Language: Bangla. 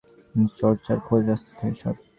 ঠিক আছে, চার্জার খোঁজ, - রাস্তা থেকে সর।